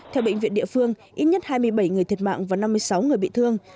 theo bệnh viện địa phương ít nhất hai mươi bảy người thiệt mạng và năm mươi sáu người bị thương